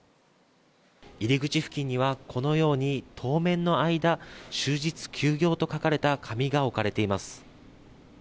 入り口付近にはこのように当面の間、終日休業と書かれた紙が置かれています。